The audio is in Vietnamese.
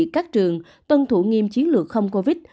các trường tuân thủ nghiêm chiến lược không covid